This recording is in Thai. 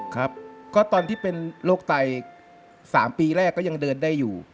ครับก็ตอนที่เป็นโรคไต๓ปีแรกก็ยังเดินได้อยู่